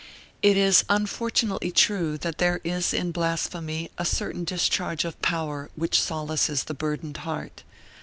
It is unfortunately true that there is in blasphemy a certain discharge of power which solaces the burdened heart.